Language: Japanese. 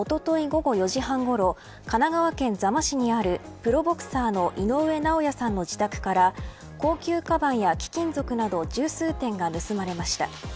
午後４時半ごろ神奈川県座間市にあるプロボクサーの井上尚弥さんの自宅から高級かばんや貴金属など十数点が盗まれました。